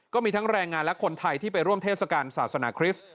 ก็มีทั้งแรงงานและคนไทยที่ไปร่วมเทศกาลศาสนาคริสต์